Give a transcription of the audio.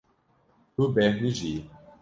Tu bêhnijiyî.